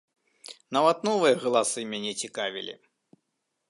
Нават новыя галасы мяне цікавілі.